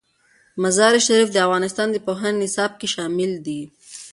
مزارشریف د افغانستان د پوهنې نصاب کې شامل دي.